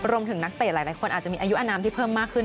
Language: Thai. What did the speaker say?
นักเตะหลายคนอาจจะมีอายุอนามที่เพิ่มมากขึ้น